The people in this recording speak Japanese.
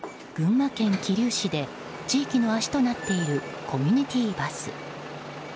群馬県桐生市で地域の足となっているコミュニティーバス。